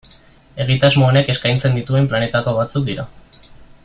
Egitasmo honek eskaintzen dituen planetako batzuk dira.